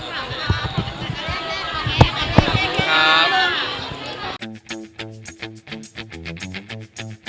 รอดูแล้วกัน